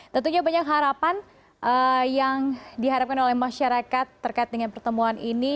tentunya banyak harapan yang diharapkan oleh masyarakat terkait dengan pertemuan ini